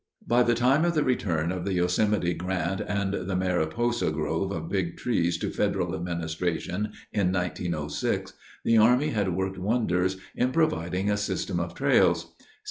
By the time of the return of the Yosemite Grant and the Mariposa Grove of Big Trees to Federal administration in 1906, the Army had worked wonders in providing a system of trails.